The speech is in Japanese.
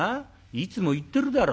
いつも言ってるだろ